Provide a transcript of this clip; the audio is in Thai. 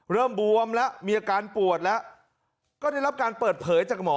บวมแล้วมีอาการปวดแล้วก็ได้รับการเปิดเผยจากหมอ